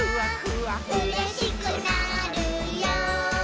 「うれしくなるよ」